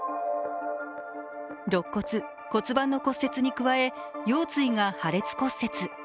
ろっ骨、骨盤の骨折に加え、腰椎が破裂骨折。